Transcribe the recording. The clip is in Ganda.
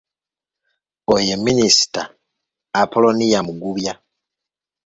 Oyo ye Minista Apolonia Mugubya.